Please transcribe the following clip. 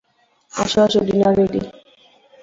আসো আসো, dinner ready!